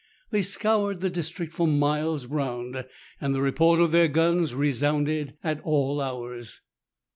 They scoured the district for miles round, and the report of their guns resounded at all hours.